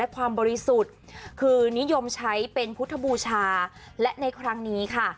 คือนิยมใช้เป็นพุทธบูชาและในครั้งนี้ค่ะ